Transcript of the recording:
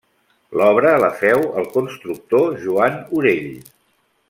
L'obra la féu el constructor Joan Orell.